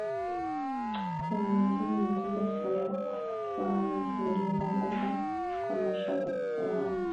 Kuna umuhimu mkubwa sana wa mazingira bora kwa maisha ya watu